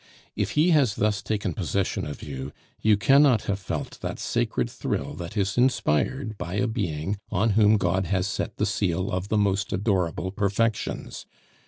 If he has thus taken possession of you, you cannot have felt that sacred thrill that is inspired by a being on whom God has set the seal of the most adorable perfections.